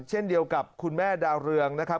เช่นเดียวกับคุณแม่ดาวเรืองนะครับ